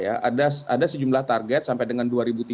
ada sejumlah target sampai dengan dua ribu tiga puluh